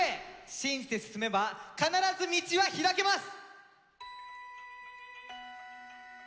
信じて進めば必ず道は開けます！